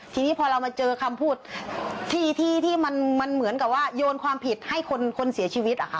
ทีนี้พอเรามาเจอคำพูดที่มันเหมือนกับว่าโยนความผิดให้คนเสียชีวิต